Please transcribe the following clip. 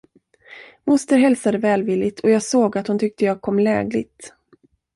Moster hälsade välvilligt, och jag såg, att hon tyckte jag kom lägligt.